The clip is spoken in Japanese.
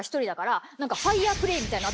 ファイヤープレーみたいなの。